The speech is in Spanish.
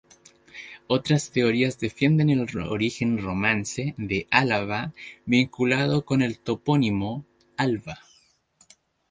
Otras teorías defienden el origen romance de Álava vinculado con el topónimo "Alba".